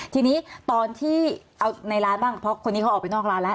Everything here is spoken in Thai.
ทีนี้ตอนที่เอาในร้านบ้างเพราะคนนี้เขาออกไปนอกร้านแล้ว